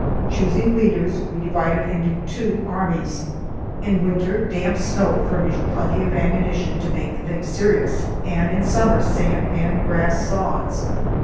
Choosing leaders, we divided into two armies. In winter damp snow furnished plenty of ammunition to make the thing serious, and in summer sand and grass sods.